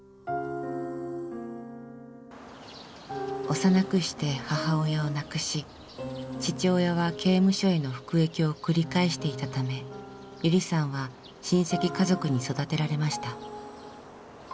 幼くして母親を亡くし父親は刑務所への服役を繰り返していたためゆりさんは親戚家族に育てられました。